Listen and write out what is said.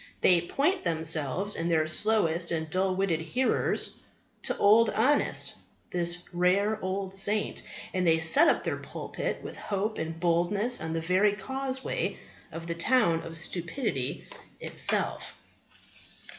They point themselves and their slowest and dullest witted hearers to Old Honest, this rare old saint; and they set up their pulpit with hope and boldness on the very causeway of the town of Stupidity itself.